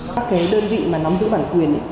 các đơn vị mà nắm giữ bản quyền